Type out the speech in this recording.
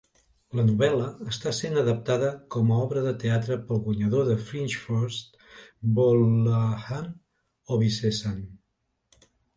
La novel·la està sent adaptada com a obra de teatre pel guanyador de Fringe First, Gbolahan Obisesan.